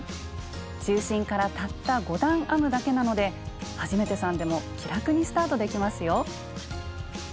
中心からたった５段編むだけなので初めてさんでも気楽にスタートできますよ。